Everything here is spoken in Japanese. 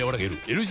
ＬＧ